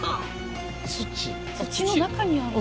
土の中にあるんだ。